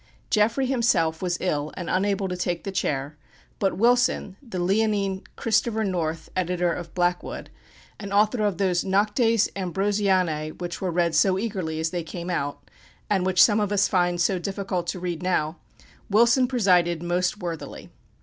Jeffrey himself was ill and unable to take the chair, but Wilson, the leonine "Christopher North," editor of Blackwood, and author of those "Noctes Ambrosianæ" which were read so eagerly as they came out, and which some of us find so difficult to read now Wilson presided most worthily.